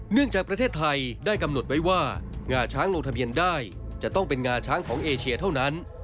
จากประเทศไทยได้กำหนดไว้ว่างาช้างลงทะเบียนได้จะต้องเป็นงาช้างของเอเชียเท่านั้น